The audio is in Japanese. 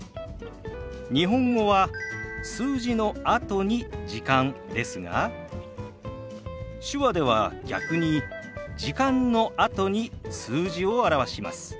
日本語は数字のあとに「時間」ですが手話では逆に「時間」のあとに数字を表します。